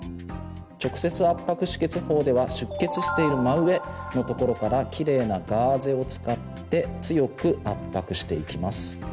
法では出血している真上のところからキレイなガーゼを使って強く圧迫していきます。